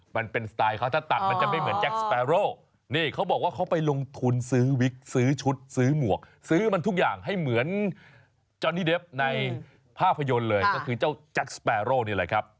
มันเป็นสไตล์เขาถ้าตัดมันจะไม่เหมือนแจ็คสแปโร่นี่เขาบอกว่าเขาไปลงทุนซื้อวิกซื้อชุดซื้อหมวกซื้อมันทุกอย่างให้เหมือนจอนนี่เดฟในภาพยนตร์เลยก็คือเจ้าแจ็คสแปโร่นี่แหละครับ